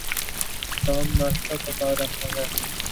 Tom ناشتہ پکھا رہا ہے۔